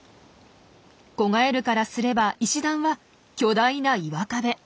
子ガエルからすれば石段は巨大な岩壁。